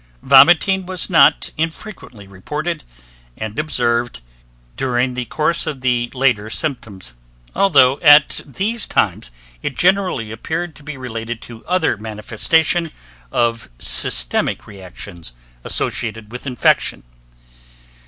Vomiting was not infrequently reported and observed during the course of the later symptoms, although at these times it generally appeared to be related to other manifestation of systemic reactions associated with infection.